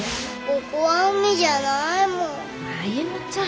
ここは海じゃないもん。